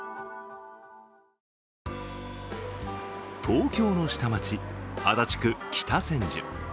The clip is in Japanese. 東京の下町、足立区北千住。